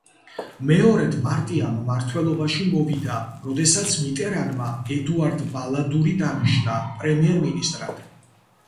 მეორედ პარტია მმართველობაში მოვიდა როდესაც მიტერანმა ედუარ ბალადური დანიშნა პრემიერ-მინისტრად.